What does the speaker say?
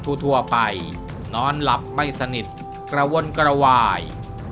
กระวนกระวาย